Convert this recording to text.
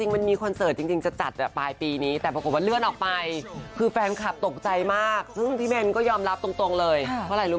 วันหนึ่งมันจะดีมันก็ดีอะ